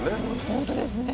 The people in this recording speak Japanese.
本当ですね。